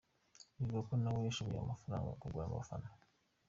bivugwa ko nawe yashoye amafaranga mu kugura abafana.